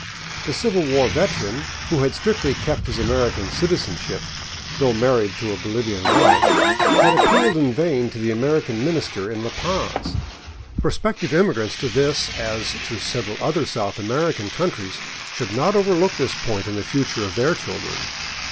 The Civil War veteran, who had strictly kept his American citizenship, though married to a Bolivian wife, had appealed in vain to the American minister in La Paz, Pros pective immigrants to this, as to several other South American coun tries, should not overlook this point in the future of their children.